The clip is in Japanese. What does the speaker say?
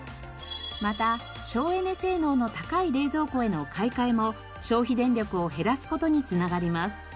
また省エネ性能の高い冷蔵庫への買い替えも消費電力を減らす事に繋がります。